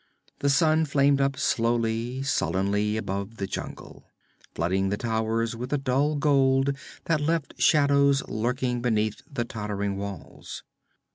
The sun flamed up slowly, sullenly, above the jungle, flooding the towers with a dull gold that left shadows lurking beneath the tottering walls.